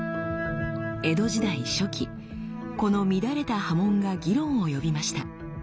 江戸時代初期この乱れた刃文が議論を呼びました。